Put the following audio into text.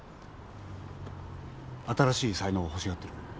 新しい才能を欲しがってる。